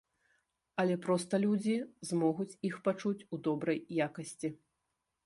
Але проста людзі змогуць іх пачуць у добрай якасці.